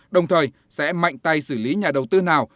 đồng thời sẽ mạnh tay xử lý nhà đầu tư nào